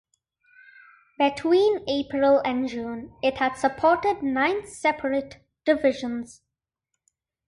Between April and June it had supported nine separate divisions.